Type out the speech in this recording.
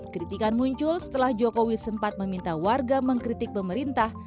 kritikan muncul setelah jokowi sempat meminta warga mengkritik pemerintah